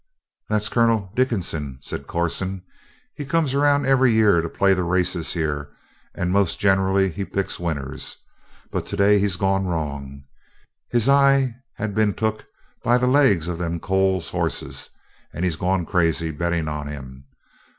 "That's Colonel Dickinson," said Corson. "He comes around every year to play the races here and most generally he picks winners. But today he's gone wrong. His eye has been took by the legs of them Coles hosses and he's gone crazy betting on 'em.